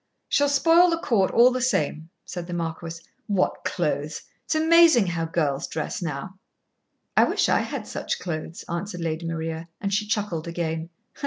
"She'll spoil the court all the same," said the marquis. "What clothes! It's amazing how girls dress now." "I wish I had such clothes," answered Lady Maria, and she chuckled again.